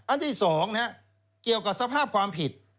อันที่๒เกี่ยวกับสภาพความผิด